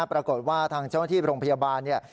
ปรากฏว่าทางเจ้าหน้าที่โรงพยาบาลเนี่ย